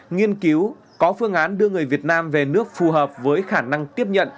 nghiên cứu có phương án đưa người việt nam về nước phù hợp với khả năng tiếp nhận